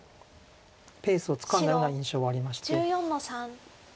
ペースをつかんだような印象はありまして。